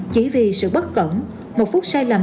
chỉ vì sự bất cẩn một phút sai lầm